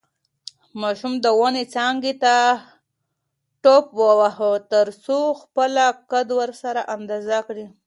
ماشوم د ونې څانګې ته ټوپ واهه ترڅو خپله قد ورسره اندازه کړي.